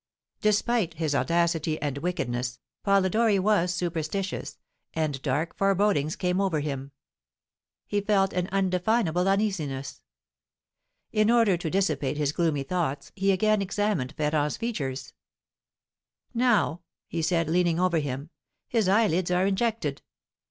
Despite his audacity and wickedness, Polidori was superstitious, and dark forebodings came over him; he felt an undefinable uneasiness. In order to dissipate his gloomy thoughts, he again examined Ferrand's features. "Now," he said, leaning over him, "his eyelids are injected.